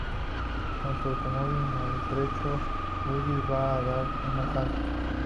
Con su automóvil maltrecho, Bullitt va a dar a una zanja.